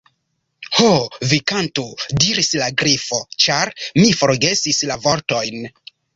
"Ho, vi kantu," diris la Grifo, "ĉar mi forgesis la vortojn."